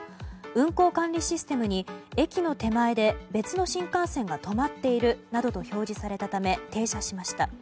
運行管理システムに駅の手前で別の新幹線が止まっているなどと表示されたため停車しました。